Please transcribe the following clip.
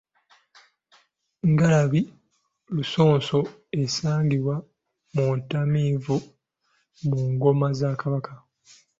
Engalabi lusonso esangibwa muntamivu mu ngoma za Kabaka.